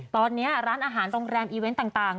ตอนนี้ร้านอาหารโรงแรมอีเวนต์ต่าง